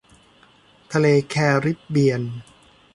ทะเลแคริบเบียน